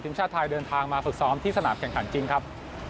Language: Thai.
ทีมชาติไทยเดินทางมาฝึกซ้อมที่สนามแข่งขันจริงครับ